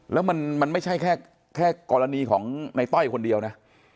แล้วมันไม่ใช่แค่กรณีของในต้อยคนเดียวนะ